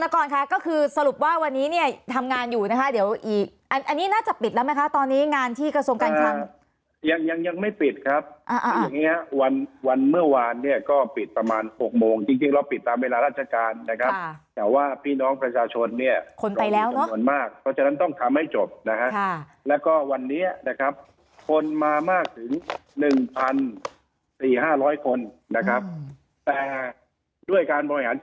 ก่อนค่ะก็คือสรุปว่าวันนี้เนี่ยทำงานอยู่นะคะเดี๋ยวอีกอันนี้น่าจะปิดแล้วไหมคะตอนนี้งานที่กระทรวงการคลังยังยังไม่ปิดครับคืออย่างนี้วันวันเมื่อวานเนี่ยก็ปิดประมาณ๖โมงจริงจริงเราปิดตามเวลาราชการนะครับแต่ว่าพี่น้องประชาชนเนี่ยคนไปแล้วจำนวนมากเพราะฉะนั้นต้องทำให้จบนะฮะแล้วก็วันนี้นะครับคนมามากถึง๑๔๕๐๐คนนะครับแต่ด้วยการบริหาร